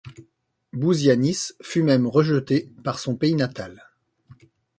Bouzianis fut même rejeté par son pays natal.